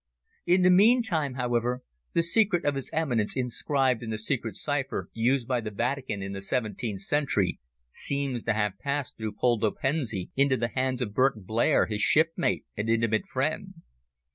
"In the meantime, however, the secret of His Eminence inscribed in the secret cipher used by the Vatican in the seventeenth century, seems to have passed through Poldo Pensi into the hands of Burton Blair, his shipmate and intimate friend.